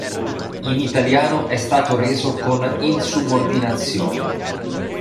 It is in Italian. In italiano è stato reso con insubordinazione.